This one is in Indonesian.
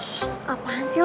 shhh apaan sih lo